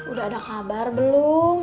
udah ada kabar belum